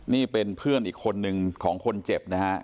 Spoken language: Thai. นี่เป็นเพื่อนอีกคนนึงของคนเจ็บนะฮะ